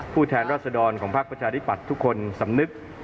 ผู้แทนราษดรของพักประชาดิบัติทุกคนสำนึก